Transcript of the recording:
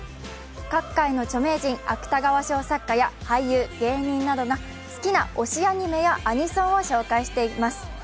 各界の著名人、芥川賞作家や俳優、芸人などが好きな推しアニメやアニソンなどを紹介しています。